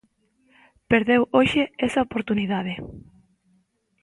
Perdeu hoxe esa oportunidade.